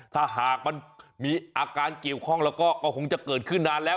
ถ้าหากมันมีอาการเกี่ยวข้องแล้วก็คงจะเกิดขึ้นนานแล้ว